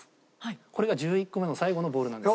これが１１個目の最後のボールなんです。